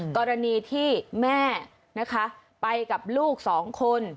กรณีที่แม่นะคะไปกับลูกสองคน